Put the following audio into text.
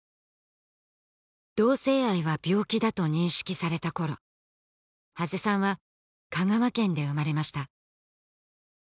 同性愛は病気だと認識された頃長谷さんは香川県で生まれました